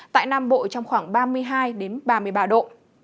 tại nam bộ trong khoảng ba mươi hai ba mươi ba độ